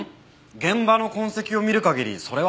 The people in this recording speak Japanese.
現場の痕跡を見る限りそれはないよ。